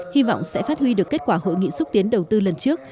hy vọng sẽ phát huy được kết quả hội nghị xúc tiến đầu tư lần trước